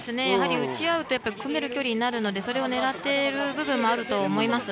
打ち合うと組める距離になるのでそれを狙っている部分もあると思います。